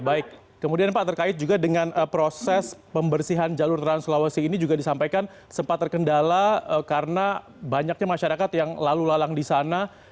baik kemudian pak terkait juga dengan proses pembersihan jalur trans sulawesi ini juga disampaikan sempat terkendala karena banyaknya masyarakat yang lalu lalang di sana